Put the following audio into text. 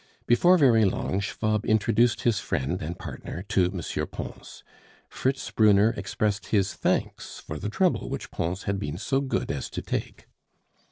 Before very long Schwab introduced his friend and partner to M. Pons; Fritz Brunner expressed his thanks for the trouble which Pons had been so good as to take.